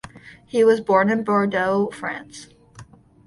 He was born in Bordeaux, France.